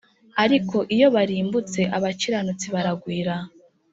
ariko iyo barimbutse abakiranutsi baragwira